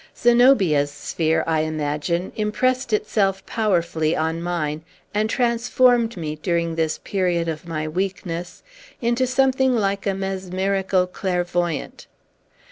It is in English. Zenobia's sphere, I imagine, impressed itself powerfully on mine, and transformed me, during this period of my weakness, into something like a mesmerical clairvoyant.